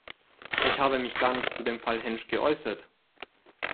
Ich habe mich gar nicht zu dem Fall Hänsch geäußert.